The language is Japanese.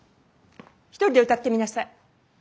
一人で歌ってみなさい。